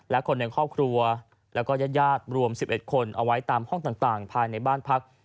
และคนในครอบครัวแล้วก็ญาติรวม๑๑คนเอาไว้ตามห้องต่างภายในบ้านพัก